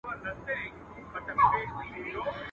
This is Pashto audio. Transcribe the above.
o راست اوسه، ناست اوسه.